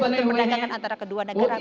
untuk perdagangan antara kedua negara